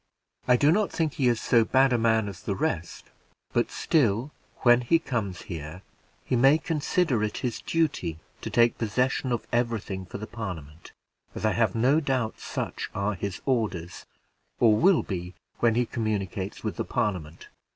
I do not think he is so bad a man as the rest; but still, when he comes here, he may consider it his duty to take possession of every thing for the Parliament, as I have no doubt such are his orders, or will be when he communicates with the Parliament.